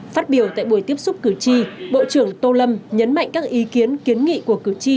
phát biểu tại buổi tiếp xúc cử tri bộ trưởng tô lâm nhấn mạnh các ý kiến kiến nghị của cử tri